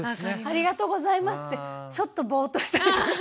「ありがとうございます」ってちょっとボーっとしたりとか。